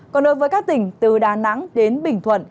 còn đối với các tỉnh từ đà nẵng đến bình thuận